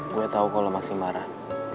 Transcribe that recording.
gue tau kalau masih marah